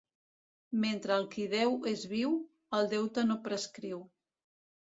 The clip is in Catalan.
Mentre el qui deu és viu, el deute no prescriu.